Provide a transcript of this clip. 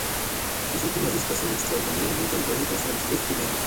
Sus últimos discos son extraordinariamente diferentes a los tres primeros.